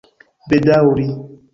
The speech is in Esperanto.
bedaŭri